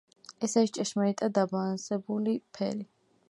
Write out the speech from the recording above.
ეს არის ჭეშმარიტად დაბალანსებული ფერი.